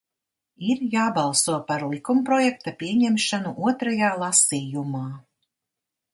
Ir jābalso par likumprojekta pieņemšanu otrajā lasījumā.